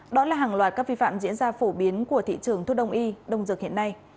đó là hàng loạt các vi phạm diễn ra phổ biến của thị trường thuốc đông y đông dược hiện nay